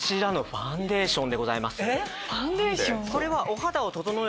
ファンデーション？